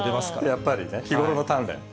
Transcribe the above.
やっぱりね、日ごろの鍛錬。